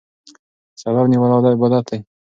سبب نیول عبادت دی.